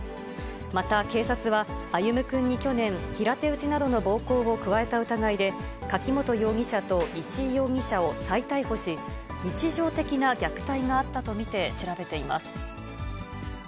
また、警察は歩夢くんに去年、平手打ちなどの暴行を加えた疑いで、柿本容疑者と石井容疑者を再逮捕し、日常的な虐待があったと見て、調べています。